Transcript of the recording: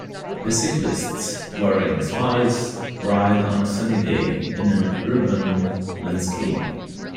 Bicyclists wearing smiles ride on a sunny day in an urban landscape.